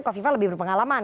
kofi fa lebih berpengalaman